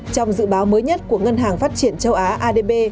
trong dự báo mới nhất của ngân hàng phát triển châu á adb